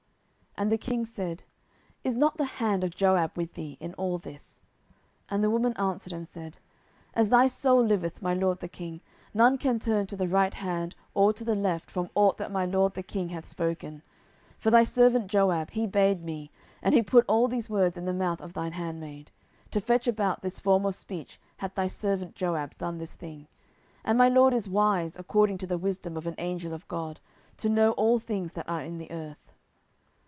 10:014:019 And the king said, Is not the hand of Joab with thee in all this? And the woman answered and said, As thy soul liveth, my lord the king, none can turn to the right hand or to the left from ought that my lord the king hath spoken: for thy servant Joab, he bade me, and he put all these words in the mouth of thine handmaid: 10:014:020 To fetch about this form of speech hath thy servant Joab done this thing: and my lord is wise, according to the wisdom of an angel of God, to know all things that are in the earth.